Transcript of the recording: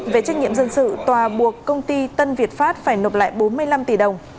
về trách nhiệm dân sự tòa buộc công ty tân việt pháp phải nộp lại bốn mươi năm tỷ đồng